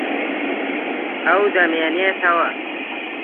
ئەو دەمێنێتەوە.